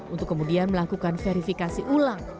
untuk kemudian melakukan verifikasi ulang